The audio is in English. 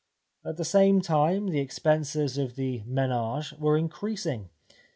At the same time the expenses of the manage were increasing.